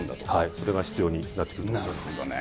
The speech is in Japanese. それが必要になってくると思なるほどね。